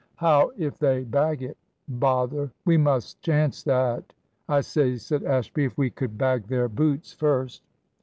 "How if they bag it?" "Bother! we must chance that." "I say," said Ashby, "if we could bag their boots first!"